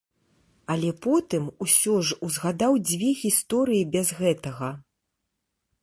Але потым усё ж узгадаў дзве гісторыі без гэтага.